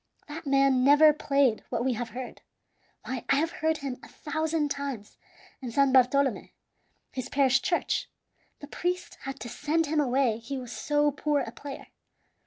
That man never played what we have heard. Why, I have heard him a thousand times in San Bartolome, his parish church; the priest had to send him away he was so poor a player.